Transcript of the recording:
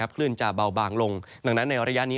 คลื่นจะเบาบางลงดังนั้นในระยะนี้